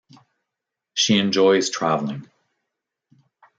She enjoys travelling.